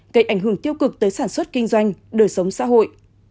gây ảnh hưởng tiêu cực tới sản xuất kinh doanh đời sống xã hội